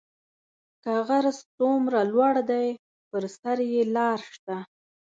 که غر څومره لوړ دی پر سر یې لار شته